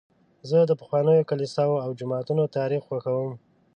زه د پخوانیو کلیساوو او جوماتونو تاریخ خوښوم.